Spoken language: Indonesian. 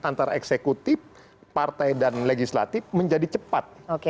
antara eksekutif partai dan legislatif menjadi cepat